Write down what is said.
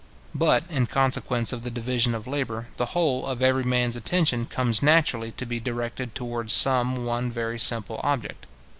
But, in consequence of the division of labour, the whole of every man's attention comes naturally to be directed towards some one very simple object.